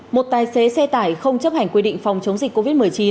một tài xế xe tải không chấp hành quy định phòng chống dịch covid một mươi chín